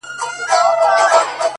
اوس مي د زړه كورگى تياره غوندي دى _